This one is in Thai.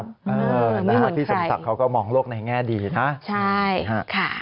ไม่เหมือนใครใช่ค่ะที่สมศักดิ์เขาก็มองโลกในแง่ดีค่ะใช่ค่ะ